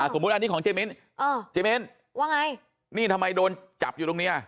สมมุติอันนี้ของเจมิ้นเจมิ้นว่าไงนี่ทำไมโดนจับอยู่ตรงนี้